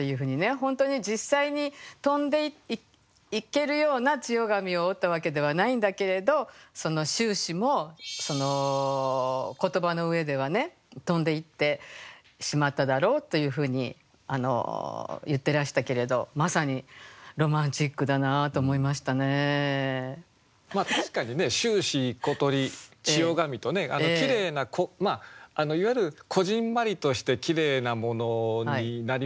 本当に実際に飛んでいけるような千代紙を折ったわけではないんだけれどその秋思もその言葉の上ではね飛んでいってしまっただろうというふうに言ってらしたけれどまさに確かにね「秋思」「小鳥」「千代紙」とねきれいないわゆるこぢんまりとしてきれいなものになりますよね。